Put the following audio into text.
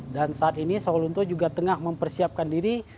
dan saat ini sawalunto juga tengah mempersiapkan diri